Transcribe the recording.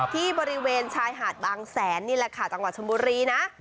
ที่บริเวณชายหาดบางแสนนี่แหละค่ะจังหวัดชนบุรีนะ